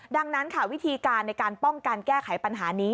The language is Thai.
ดังนั้นค่ะวิธีการในการป้องกันแก้ไขปัญหานี้